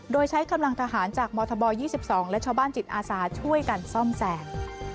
โดยใช้กำลังทหารจากมธบ๒๒และชาวบ้านจิตอาสาช่วยกันซ่อมแซม